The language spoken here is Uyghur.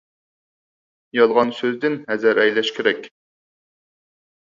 يالغان سۆزدىن ھەزەر ئەيلەش كېرەك.